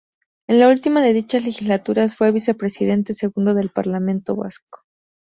En la última de dichas legislaturas fue vicepresidente segundo del Parlamento Vasco.